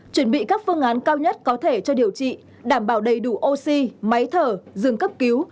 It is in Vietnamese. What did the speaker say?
chuẩn bị các phương án cao nhất có thể cho điều trị đảm bảo đầy đủ oxy máy thở dường cấp cứu